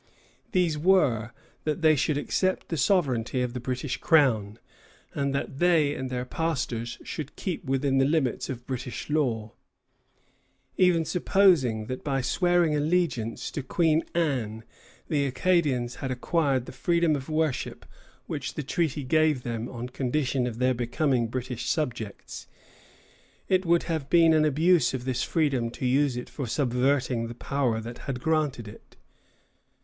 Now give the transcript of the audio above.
These were that they should accept the sovereignty of the British Crown, and that they and their pastors should keep within the limits of British law. Even supposing that by swearing allegiance to Queen Anne the Acadians had acquired the freedom of worship which the treaty gave them on condition of their becoming British subjects, it would have been an abuse of this freedom to use it for subverting the power that had granted it.